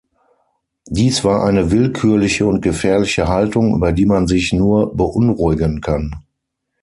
Dies war eine willkürliche und gefährliche Haltung, über die man sich nur beunruhigen kann.